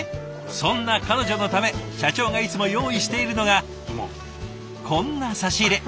そんな彼女のため社長がいつも用意しているのがこんな差し入れ。